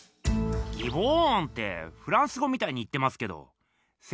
ギボーンってフランス語みたいに言ってますけど仙